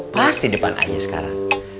pas di depan ayek sekarang